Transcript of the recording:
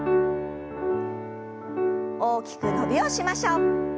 大きく伸びをしましょう。